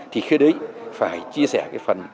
thì khi đấy phải chia sẻ phần